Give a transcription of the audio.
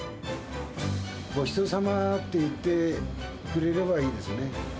ごちそうさまって言ってくれればいいですよね。